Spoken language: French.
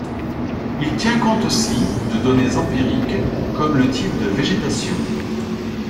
Il tient compte aussi de données empiriques comme le type de végétation.